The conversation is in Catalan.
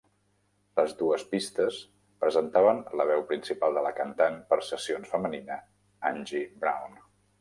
Les dues pistes presentaven la veu principal de la cantant per sessions femenina, Angie Brown.